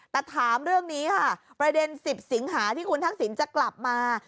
แต่ถามเรื่องนี้ค่ะประเด็น๑๐สิงหาที่คุณทักษิณจะกลับมา